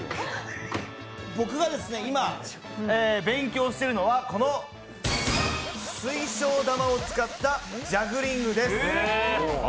僕が今、勉強してるのは水晶玉を使ったジャグリングです。